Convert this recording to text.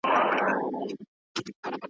خدای خبر چي به مستیږي زما غزل پر شهبازونو `